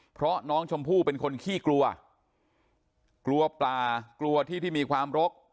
เพราะน้องชมพู่เป็นคนขี้กลัวกลัวปลากลัวที่ที่มีความรก